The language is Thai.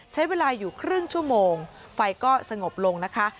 ใช้เวลาอยู่ครึ่งชั่วโมงไฟก็สงบลงนะคะ